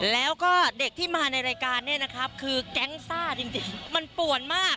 แล้วก็เด็กที่มาในรายการเนี่ยนะครับคือแก๊งซ่าจริงมันป่วนมาก